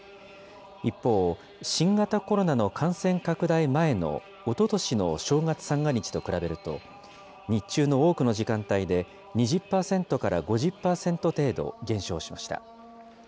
一方、新型コロナの感染拡大前のおととしの正月三が日と比べると、日中の多くの時間帯で、２０％から５０％程度減少しました。